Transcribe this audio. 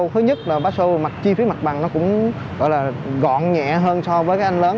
thứ nhất là bác sô chi phí mặt bằng nó cũng gọn nhẹ hơn so với anh lớn